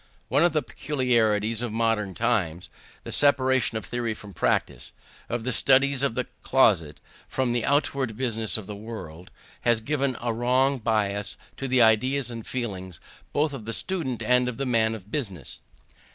One of the peculiarities of modern times, the separation of theory from practice of the studies of the closet, from the outward business of the world has given a wrong bias to the ideas and feelings both of the student and of the man of business.